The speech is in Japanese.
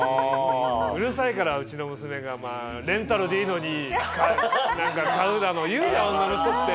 うるさいからうちの娘がレンタルでいいのに何か買うだの言うじゃん女の人って。